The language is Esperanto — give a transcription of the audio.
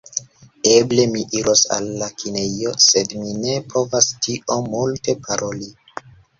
Eble, mi iros al la kinejo sed mi ne povas tiom multe paroli